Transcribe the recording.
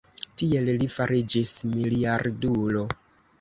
Tiel li fariĝis miliardulo.